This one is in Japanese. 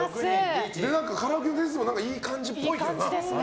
カラオケの点数もいい感じっぽいけどな。